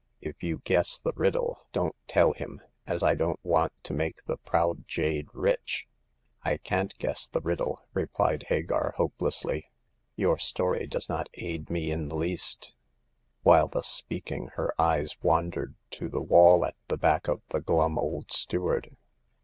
If you guess the riddle, don't tell him, as I don't want to make the proud jade rich." I can't guess the riddle," replied Hagar, hopelessly. Your story does not aid me in the least." While thus speaking, her eyes wandered to the wall at the back of the glum old steward.